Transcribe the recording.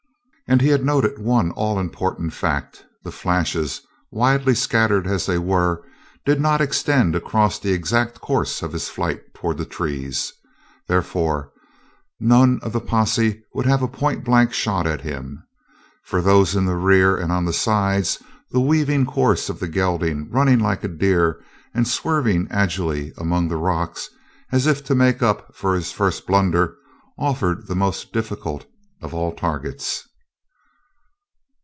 And he had noted one all important fact the flashes, widely scattered as they were, did not extend across the exact course of his flight toward the trees. Therefore, none of the posse would have a point blank shot at him. For those in the rear and on the sides the weaving course of the gelding, running like a deer and swerving agilely among the rocks, as if to make up for his first blunder, offered the most difficult of all targets.